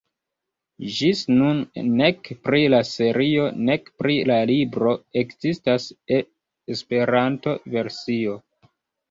Ĝis nun nek pri la serio nek pri la libro ekzistas E-versio.